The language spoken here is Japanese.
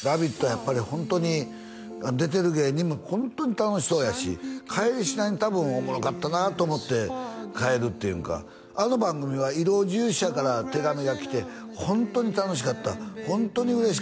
やっぱりホントに出てる芸人もホントに楽しそうやし帰りしなに多分おもろかったなと思って帰るっていうんかあの番組は医療従事者から手紙が来て「ホントに楽しかったホントに嬉しかった」